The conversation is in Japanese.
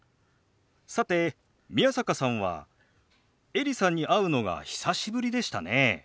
さて宮坂さんはエリさんに会うのが久しぶりでしたね。